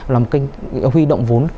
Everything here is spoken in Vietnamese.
là một cái kênh huy động vốn